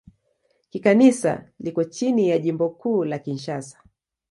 Kikanisa liko chini ya Jimbo Kuu la Kinshasa.